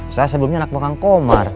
saya sebelumnya anak pegang komar